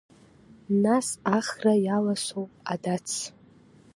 Нас ахра иаласоу адац?